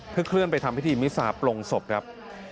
เพื่อเคลื่อนไปทำพิธีมิสาปลงศพครับ